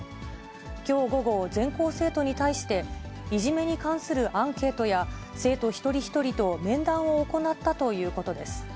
きょう午後、全校生徒に対して、いじめに関するアンケートや、生徒一人一人と面談を行ったということです。